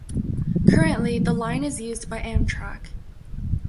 Currently, the line is used by Amtrak.